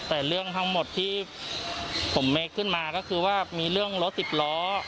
แต่เรื่องทั้งหมดที่ผมเมคขึ้นมาก็คือว่ามีเรื่องรถสิบล้อ